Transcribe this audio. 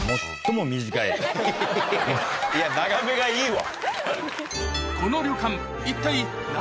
いや長めがいいわ。